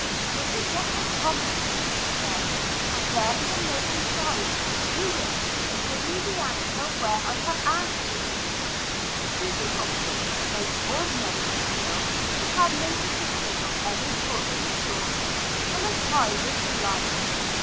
"This is what I promised," she said; "and there is a note inside. Read it, and give me the answer where I have asked you." Susy Hopkins, a most ordinary little girl, who had no position of any sort in the school, colored high with delight.